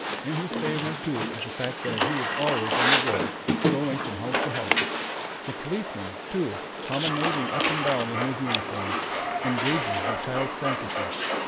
In his favour, too, is the fact that he is always on the go, going from house to house. The "policeman" too, promenading up and down in his uniform, engages the child's fantasy.